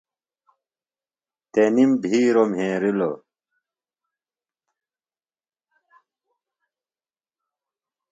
تنِم بِھیروۡ مھیرِلوۡ۔